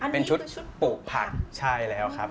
เป็นชุดปลูกผักใช่แล้วครับ